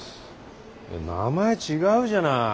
名前違うじゃない。